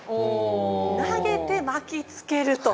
投げて巻きつけると。